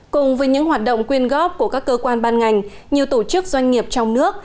cùng với những hoạt động quyên góp của các cơ quan ban ngành nhiều tổ chức doanh nghiệp trong nước